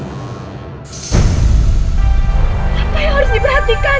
apa yang harus diperhatikan